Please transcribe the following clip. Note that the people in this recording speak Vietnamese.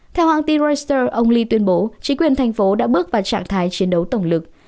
theo hãng tin reuters ông lee tuyên bố chính quyền thành phố đã bước vào trạng thái chiến đấu tổng lực